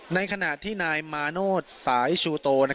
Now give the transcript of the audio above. ในขณะที่นายมาโนธสายชูโต